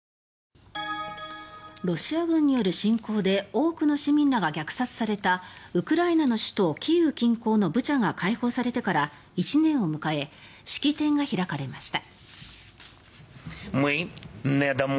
ロシア軍による侵攻で多くの市民が虐殺されたウクライナの首都キーウ近郊のブチャが解放されてから１年を迎え式典が開かれました。